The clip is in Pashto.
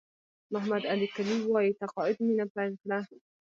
محمد علي کلي وایي تقاعد مینه پیل کړه.